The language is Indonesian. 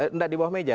enggak di bawah meja